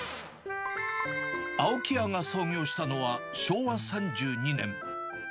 青木屋が創業したのは昭和３２年。